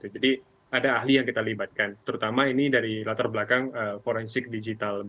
jadi ada ahli yang kita libatkan terutama ini dari latar belakang forensik digital